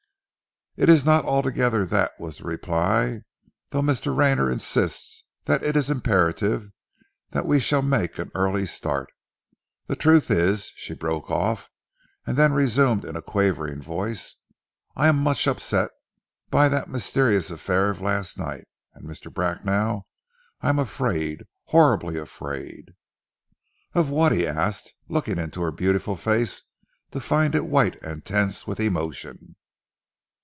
"It is not altogether that," was the reply, "though Mr. Rayner insists that it is imperative that we shall make an early start. The truth is " she broke off, and then resumed in a quavering voice: "I am much upset by that mysterious affair of last night, and, Mr. Bracknell, I am afraid horribly afraid." "Of what?" he asked, looking into her beautiful face to find it white and tense with emotion.